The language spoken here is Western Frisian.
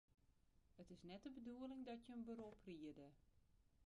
It is net de bedoeling dat je in berop riede.